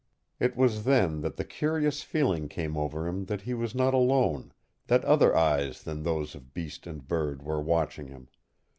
It was then that the curious feeling came over him that he was not alone, that other eyes than those of beast and bird were watching him.